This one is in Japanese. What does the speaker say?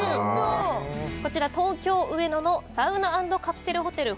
こちら、東京・上野のサウナ＆カプセルホテル